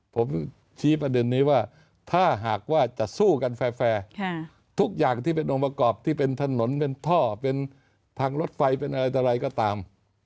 ผมชี้ประเด็นนี้ว่าถ้าหากว่าจะสู้กันแฟร์ทุกอย่างที่เป็นองค์ประกอบที่เป็นถนนเป็นท่อเป็นทางรถไฟเป็นอะไรต่ออะไรก็ตาม